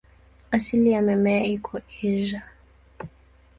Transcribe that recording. Asili ya mimea iko Asia.